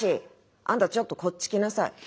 あんたちょっとこっち来なさい。